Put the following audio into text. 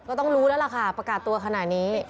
ต้องรู้แล้วล่ะค่ะประกาศตัวขนาดนี้